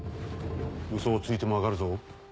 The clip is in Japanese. ウソをついても分かるぞ。